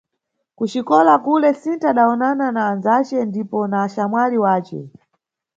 Kuxikola kule, Sinta adawonana na andzace ndipo na axamwali wace.